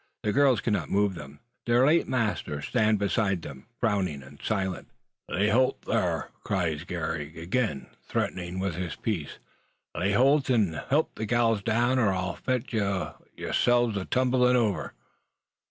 The girls cannot move them. Their late masters stand beside them, frowning and silent. "Lay holt thar!" cries Garey, again threatening with his piece; "lay holt, and help the gals down, or I'll fetch some o' yerselves a tumblin' over!"